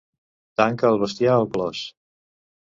Tanca el bestiar al clos.